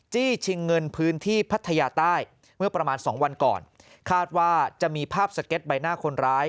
จี้ชิงเงินพื้นที่พัทยาใต้เมื่อประมาณสองวันก่อนคาดว่าจะมีภาพสเก็ตใบหน้าคนร้าย